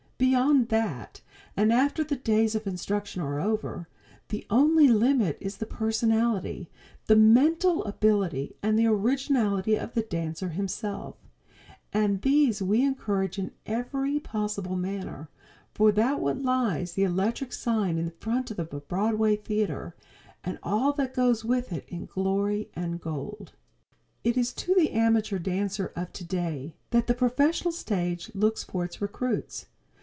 Beyond that, and after the days of instruction are over, the only limit is the personality, the mental ability and the originality of the dancer himself, and these we encourage in every possible manner, for that way lies the electric sign in front of a Broadway Theatre, and all that goes with it in glory and gold. It is to the amateur dancer of today that the professional stage looks for its recruits.